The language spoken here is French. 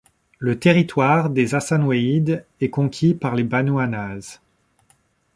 Le territoire des Hasanwayhides est conquis par les Banû Annaz.